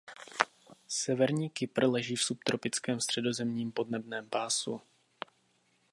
Severní Kypr leží v subtropickém středozemním podnebném pásu.